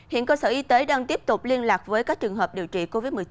hiện cơ sở y tế đang tiếp tục liên lạc với các trường hợp điều trị covid một mươi chín